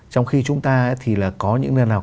trong khi chúng ta thì là có những nơi nào